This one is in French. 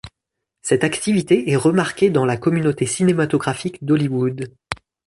Cette activité est remarquée dans la communauté cinématographique d'Hollywood.